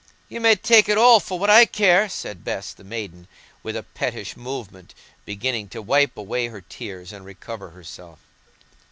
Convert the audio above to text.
"Ye may take it all, for what I care," said Bess the maiden, with a pettish movement, beginning to wipe away her tears and recover herself.